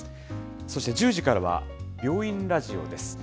そして１０時からは病院ラジオです。